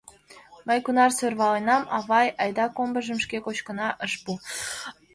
Мый кунар сӧрваленам: авай, айда комбыжым шке кочкына — ыш пу.